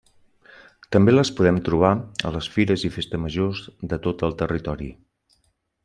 També les podem trobar a les fires i Festes Majors de tot el territori.